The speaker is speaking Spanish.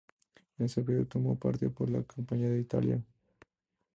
En este período tomó parte en la campaña de Italia.